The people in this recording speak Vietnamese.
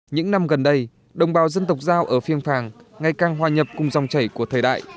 những năm gần đây đồng bào dân tộc giao ở phiên phàng ngày càng hòa nhập cùng dòng chảy của thời đại